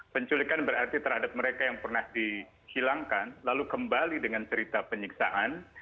penculikan berarti terhadap mereka yang pernah dihilangkan lalu kembali dengan cerita penyiksaan